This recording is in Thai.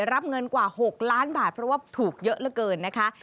รับเงินกว่า๖ล้านบาทเพราะว่าถูกเยอะเหลือเกินนะคะ